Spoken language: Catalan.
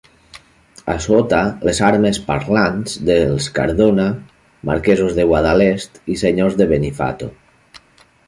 A sota, les armes parlants dels Cardona, marquesos de Guadalest i senyors de Benifato.